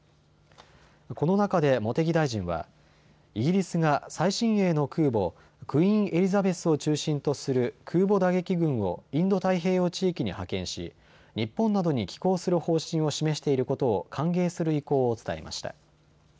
この中で茂木大臣はイギリスが最新鋭の空母、クイーン・エリザベスを中心とする空母打撃群をインド太平洋地域に派遣し日本などに寄港する方針を示していることを歓迎する意向を伝えました。